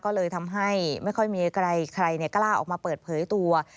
ก็เลยทำให้ไม่ค่อยมีใครกล้าออกมาเปิดเผยตัว